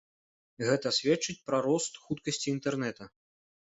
Гэта сведчыць пра рост хуткасці інтэрнэта.